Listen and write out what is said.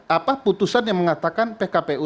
apa putusan yang mengatakan pkpu